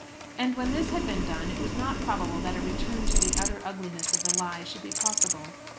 And when this had been done it was not probable that a return to the utter ugliness of the lie should be possible.